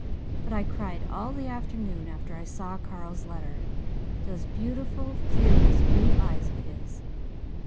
But I cried all the afternoon after I saw Carl's letter. Those beautiful, fearless blue eyes of his!